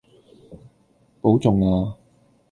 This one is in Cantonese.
保重呀